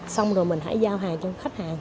xong rồi mình hãy giao hàng cho khách hàng